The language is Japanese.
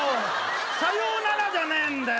さようならじゃねえんだよ。